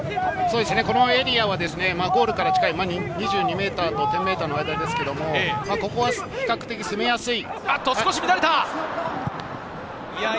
このエリアはゴールから近い２２ｍと１０ｍの間ですけれど、比較的攻めやすい。